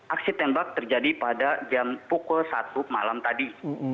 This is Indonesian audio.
aksi tembak terjadi pada jam pukul satu malam tadi